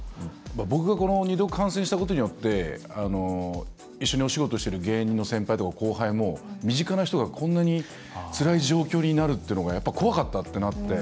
僕が二度、感染したことによって一緒にお仕事してる芸人の先輩とか後輩も、身近な人がこんなにつらい状況になるというのが怖かったってなって。